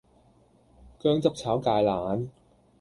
薑汁炒芥蘭